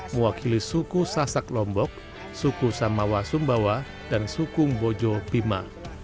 mewakili suku sasak lombok suku samawa sumbawa dan suku mbojo pima